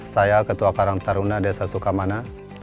saya ketua karang taruna desa sukamana